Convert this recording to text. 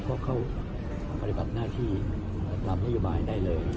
ก็เข้าปฏิบัติหน้าที่ตามนโยบายได้เลย